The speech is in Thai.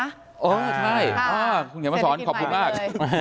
เออใช่คุณเขียนมาสอนขอบคุณมาก